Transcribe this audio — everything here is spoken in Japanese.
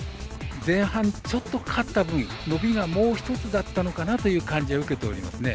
前半、ちょっと、かかった分伸びがもう一つだったのかなという感じを受けておりますね。